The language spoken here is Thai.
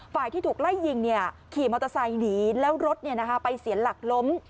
ฝ่ายที่ถูกไล่ยิงขี่มอเตอร์ไซค์หนีแล้วรถไปเสียหลักล้ม